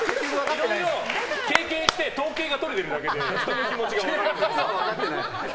いろいろ経験して統計が取れているだけで人の気持ちは分からないっぽい。